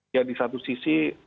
ya di satu sisi